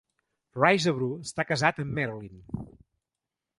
Risebrough està casat amb Marilyn.